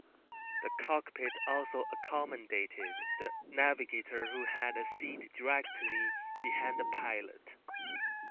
The cockpit also accommodated the navigator who had a seat directly behind the pilot.